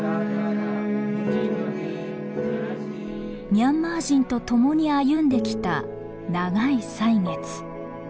ミャンマー人と共に歩んできた長い歳月。